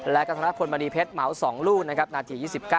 และกัฒนัทพลบริเพชรเหมา๒ลูกนาที๒๙